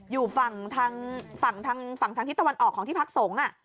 อยู่ฝั่งทางทิศตะวันออกของที่พักสงฆ์